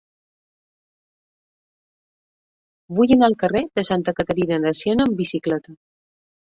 Vull anar al carrer de Santa Caterina de Siena amb bicicleta.